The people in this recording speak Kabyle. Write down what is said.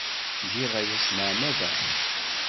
Giɣ aya s tmeɛmada.